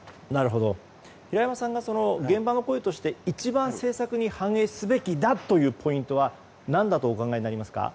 平山さんが現場の声として一番政策に反映すべきだというポイントは何だとお考えになりますか。